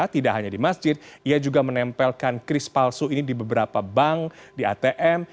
tidak hanya di masjid ia juga menempelkan kris palsu ini di beberapa bank di atm